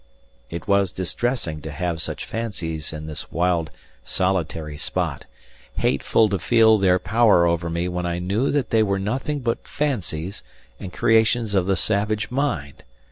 It was distressing to have such fancies in this wild, solitary spot hateful to feel their power over me when I knew that they were nothing but fancies and creations of the savage mind.